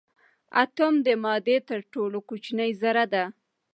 اتوم د مادې تر ټولو کوچنۍ ذره ده.